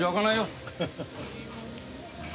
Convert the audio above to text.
アハハハ。